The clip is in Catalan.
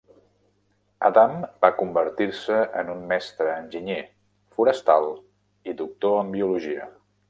Adam va convertir-se en un mestre enginyer, forestal i doctor en Biologia.